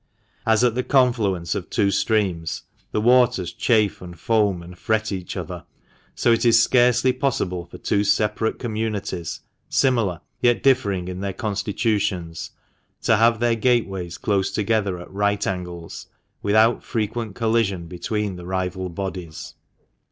As at the confluence of two streams the waters chafe and foam and fret each other, so it is scarcely possible for two separate communities, similar, yet differing in their constitutions, to have their gateways close together at right angles without frequent collision between the rival bodies.